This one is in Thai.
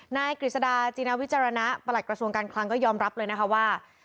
กฤษดาจีนาวิจารณะประหลัดกระทรวงการคลังก็ยอมรับเลยนะคะว่า